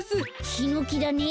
ヒノキだね？